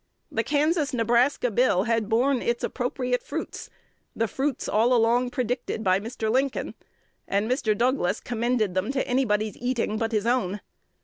The Kansas Nebraska Bill had borne its appropriate fruits, the fruits all along predicted by Mr. Lincoln, and Mr. Douglas commended them to anybody's eating but his own.